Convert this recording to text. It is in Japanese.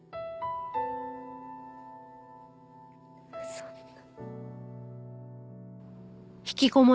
そんな。